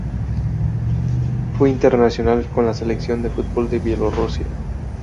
Fue internacional con la Selección de fútbol de Bielorrusia.